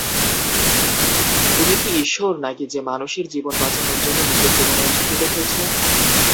তুমি কি ঈশ্বর নাকি যে মানুষের জীবন বাঁচানোর জন্য নিজের জীবনের ঝুঁকিতে ফেলছো?